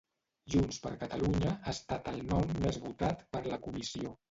Junts per Catalunya ha estat el nom més votat per la comissió.